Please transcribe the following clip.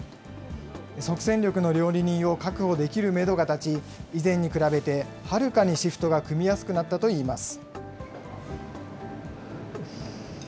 即戦力の料理人を確保できるメドが立ち、以前に比べてはるかにシフトが組みやすくなったといいます。